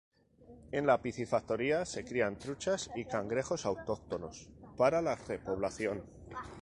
En la piscifactoría se crían truchas y cangrejos autóctonos para repoblación.